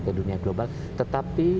ke dunia global tetapi